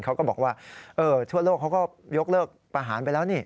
เขาก็บอกว่าทั่วโลกเขาก็ยกเลิกประหารไปแล้วนี่